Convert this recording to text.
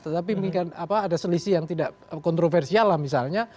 tetapi ada selisih yang tidak kontroversial lah misalnya